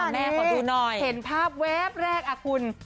ขอดูหน่อยเห็นภาพแวบแรกอ่ะคุณ